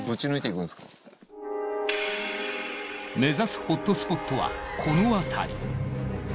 目指すホットスポットはこの辺り。